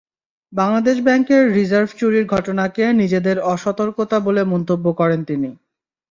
বাংলাদেশ ব্যাংকের রিজার্ভ চুরির ঘটনাকে নিজেদের অসতর্কতা বলে মন্তব্য করেন তিনি।